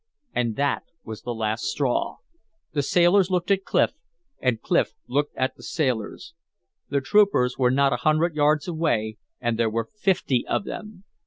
And that was the last straw; the sailors looked at Clif, and Clif looked at the sailors. The troopers were not a hundred yards away, and there were fifty of them.